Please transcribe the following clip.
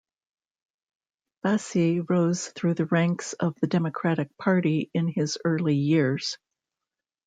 Fasi rose through the ranks of the Democratic Party in his early years.